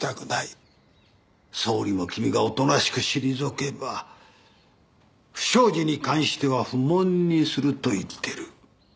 総理も君がおとなしく退けば不祥事に関しては不問にすると言ってる。